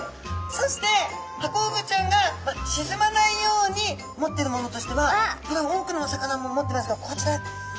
そしてハコフグちゃんが沈まないように持ってるものとしてはこれは多くのお魚も持ってますがこちら。